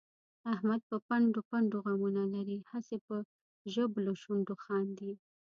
احمد په پنډو پنډو غمونه لري، هسې په ژبلو شونډو خاندي.